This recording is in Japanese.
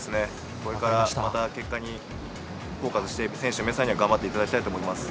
これからまた結果を目指している選手の皆さんには頑張っていただきたいと思います。